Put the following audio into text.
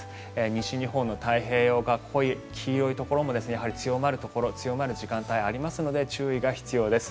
西日本の太平洋側濃い黄色いところもやはり強まるところ強まる時間帯がありますので注意が必要です。